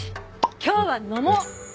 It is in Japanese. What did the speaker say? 今日は飲もう！